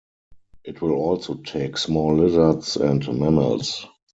It will also take small lizards and mammals.